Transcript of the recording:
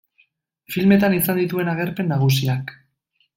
Filmetan izan dituen agerpen nagusiak.